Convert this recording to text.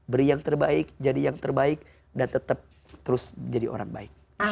beri yang terbaik jadi yang terbaik dan tetap terus jadi orang baik